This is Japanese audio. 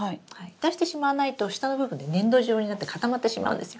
出してしまわないと下の部分で粘土状になって固まってしまうんですよ。